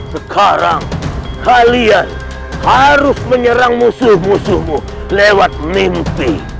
sekarang kalian harus menyerang musuh musuhmu lewat mimpi